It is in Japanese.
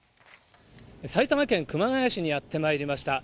埼玉県熊谷市にやってまいりました。